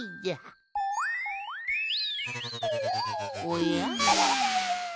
おや？